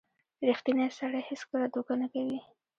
• ریښتینی سړی هیڅکله دوکه نه کوي.